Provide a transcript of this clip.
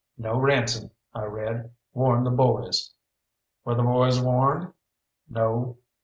"No ransom," I read. "Warn the boys." "Were the boys warned?" "No."